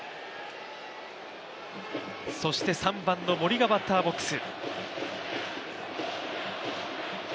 そして３番の森がバッターボックス。